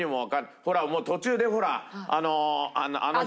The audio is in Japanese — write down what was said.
ほらもう途中でほらあのあの人の。